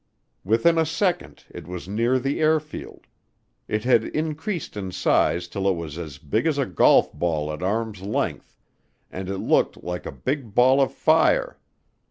Within a second, it was near the airfield. It had increased in size till it was as big as a "golf ball at arm's length," and it looked like a big ball of fire.